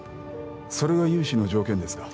それが融資の条件ですか